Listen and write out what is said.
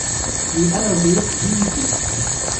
Rue Allain deux, Vimoutiers